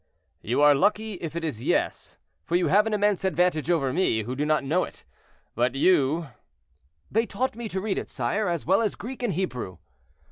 "You are lucky if it is 'yes,' for you have an immense advantage over me, who do not know it, but you—" "They taught me to read it, sire, as well as Greek and Hebrew."